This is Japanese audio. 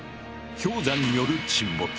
氷山による沈没。